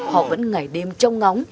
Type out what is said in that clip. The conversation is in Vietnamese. họ vẫn ngày đêm trong ngóng